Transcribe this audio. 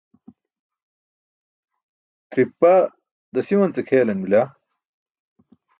tiripa dasiwance kʰelan bila